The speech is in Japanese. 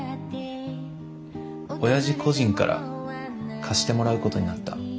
親父個人から貸してもらうことになった。